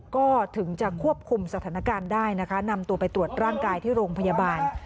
ก็ถึงจะควบคุมสถานการณ์ได้นะคะนำตัวไปตรวจร่างกายที่โรงพยาบาล